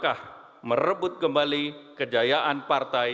kami berharap bahwa kekuatan politik ini akan menjadi kekuatan yang matang